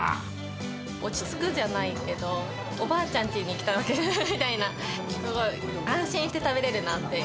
落ち着くじゃないけど、おばあちゃんちに来たみたいな、すごい、安心して食べれるなっていう。